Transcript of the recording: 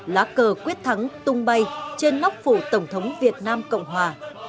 lá cờ quyết thắng tung bay trên nóc phủ tổng thống việt nam cộng hòa